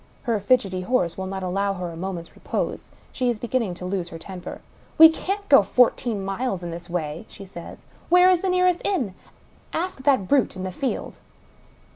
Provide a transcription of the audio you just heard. Her fidgety horse will not allow her a moment's repose ; she is beginning to lose her temper. " We can't go fourteen miles in this way," she says. *' Where is the nearest inn ? Ask that brute in the field